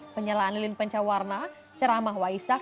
penyalaan lilin pencawarna ceramah waisak